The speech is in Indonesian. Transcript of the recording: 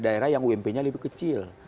karena yang ump nya lebih kecil